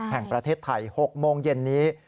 แห่งประเทศไทย๖โมงเย็นนี้